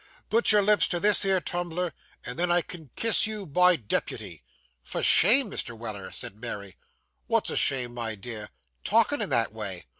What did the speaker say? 'Put your lips to this here tumbler, and then I can kiss you by deputy.' 'For shame, Mr. Weller!' said Mary. 'What's a shame, my dear?' 'Talkin' in that way.